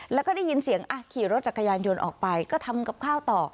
แล้วก็ได้ยินเสียงขี่รถจักรยานยนต์ออกไปก็ทำกับข้าวต่อ